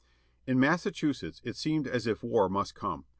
1775 N Massachusetts it seemed as if war must come.